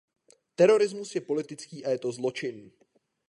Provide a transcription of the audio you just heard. Terorismus je politický a je to zločin.